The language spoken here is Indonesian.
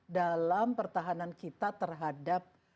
dalam pertahanan kita terhadap